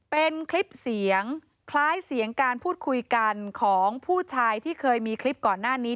เป็นคลิปเสียงคล้ายเสียงการพูดคุยกันของผู้ชายที่เคยมีคลิปก่อนหน้านี้